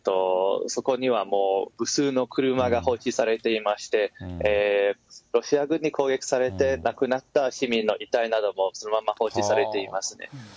そこにはもう、無数の車が放置されていまして、ロシア軍に攻撃されて亡くなった市民の遺体なども、そのまんま放置されていますね。